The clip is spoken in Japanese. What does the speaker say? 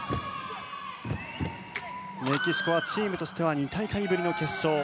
メキシコはチームとしては２大会ぶりの決勝。